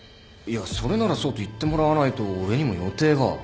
いやそれならそうと言ってもらわないと俺にも予定が。